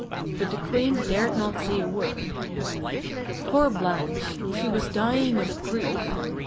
But the Queen dared not say a word. Poor Blanche! She was dying of grief.